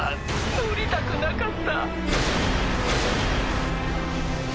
乗りたくなかった。